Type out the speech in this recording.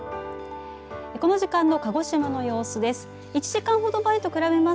この時間の鹿児島の様子です。